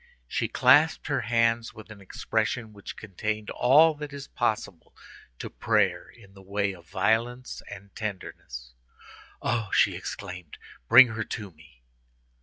She clasped her hands with an expression which contained all that is possible to prayer in the way of violence and tenderness. "Oh!" she exclaimed, "bring her to me!"